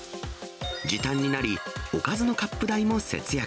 時短になり、おかずのカップ代も節約。